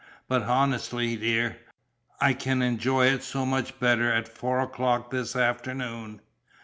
"But, honestly, dear, I can enjoy it so much better at four o'clock this afternoon."